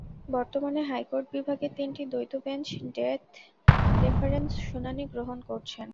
বর্তমানে হাইকোর্ট বিভাগের তিনটি দ্বৈত বেঞ্চ ডেথ রেফারেন্স শুনানি গ্রহণ করছেন।